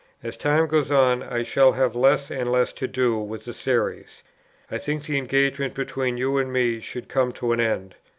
As time goes on, I shall have less and less to do with the Series. I think the engagement between you and me should come to an end.